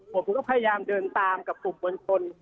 ผมก็พยายามเดินตามกับกลุ่มมวลชน